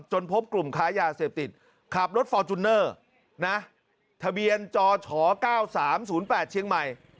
พบกลุ่มค้ายาเสพติดขับรถฟอร์จูเนอร์นะทะเบียนจช๙๓๐๘เชียงใหม่